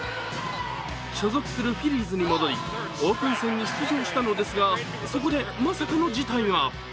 所属するフィリーズに戻りオープン戦に出場したのですが、そこでまさかの事態が。